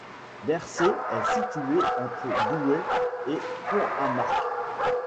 Bersée est située entre Douai et Pont-à-Marcq.